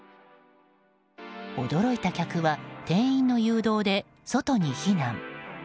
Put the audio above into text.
驚いた客は店員の誘導で外に避難。